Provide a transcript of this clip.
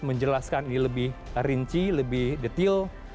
menjelaskan ini lebih rinci lebih detail